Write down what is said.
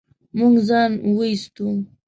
موږ ځان و ايستو.